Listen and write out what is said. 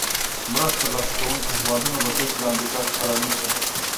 مرسته تر لاسه کوونکې هېوادونه به توکي له امریکا څخه رانیسي.